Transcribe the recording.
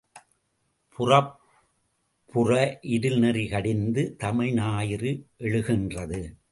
புறப்புற இருள்நெறி கடிந்து தமிழ் ஞாயிறு எழுகின்றது.